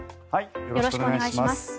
よろしくお願いします。